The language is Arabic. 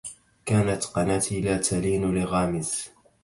كانت قناتي لا تلين لغامز